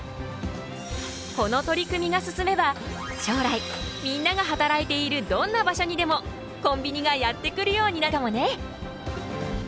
この取り組みが進めば将来みんなが働いているどんな場所にでもコンビニがやって来るようになるかもね。